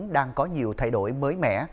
đang có nhiều thay đổi mới mẻ